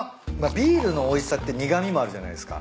ビールのおいしさって苦味もあるじゃないですか。